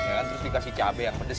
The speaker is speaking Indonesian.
ya kan terus dikasih cabai yang pedes